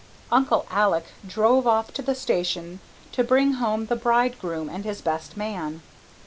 Uncle Alec drove off to the station through it to bring home the bridegroom and his best man.